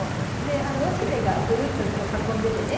雄しべがぐるっと囲んでてね